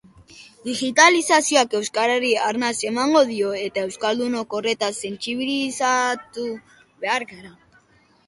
Digitalizazioak euskarari arnasa emango dio eta euskaldunok horretaz sentsibilizatu behar gara.